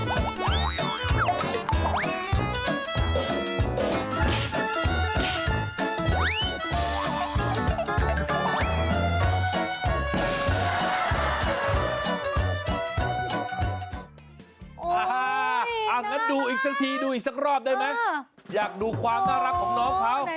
อย่างนั้นดูอีกสักทีดูอีกสักรอบได้ไหมอยากดูความน่ารักของน้องเขา